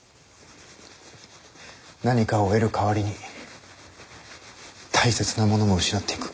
何かを得る代わりに大切なものも失っていく。